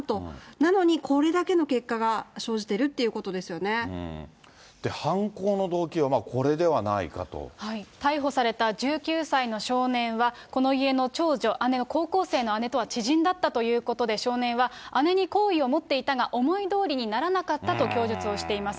なのにこれだけの結果が生犯行の動機はこれではないか逮捕された１９歳の少年は、この家の長女、姉を、高校生の姉とは知人だったということで、少年は姉に好意を持っていたが、思いどおりにならなかったと供述をしています。